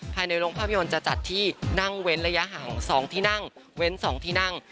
ภายในโรงภาพยนตร์จะจัดที่นั่งเว้นระยะห่าง๒ที่นั่งเว้น๒ที่นั่ง